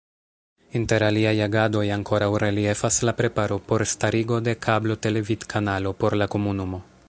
Inter aliaj agadoj ankoraŭ reliefas la preparo por starigo de kablo-televidkanalo por la komunumo.